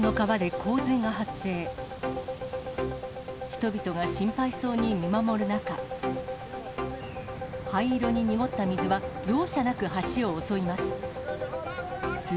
人々が心配そうに見守る中、灰色に濁った水は、容赦なく橋を襲います。